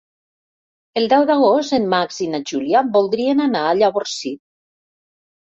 El deu d'agost en Max i na Júlia voldrien anar a Llavorsí.